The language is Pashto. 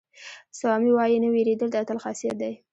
سوامي وایي نه وېرېدل د اتل خاصیت دی.